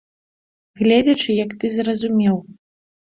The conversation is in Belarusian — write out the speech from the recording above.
Гледзячы як ты зразумеў.